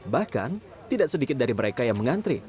bahkan tidak sedikit dari mereka yang mengantri